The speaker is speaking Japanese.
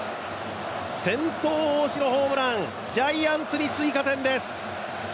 先頭・大城ホームランジャイアンツに追加点です。